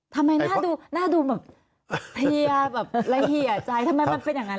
ทำไมหน้าดูหน้าดูแบบเพลียแบบละเอียดใจทำไมมันเป็นอย่างนั้น